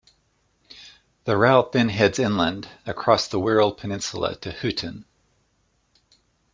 The route then heads inland, across the Wirral peninsula, to Hooton.